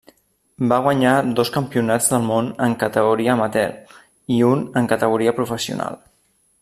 Va guanyar dos campionats del món en categoria amateur i un en categoria professional.